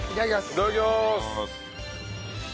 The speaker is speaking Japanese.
いただきます。